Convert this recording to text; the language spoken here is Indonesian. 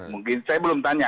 mungkin saya belum tanya